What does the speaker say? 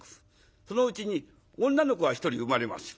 そのうちに女の子が１人生まれます。